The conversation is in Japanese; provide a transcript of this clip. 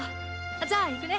じゃあいくね。